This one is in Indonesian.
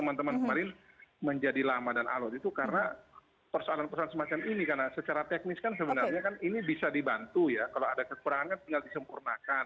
nah ini yang terakhir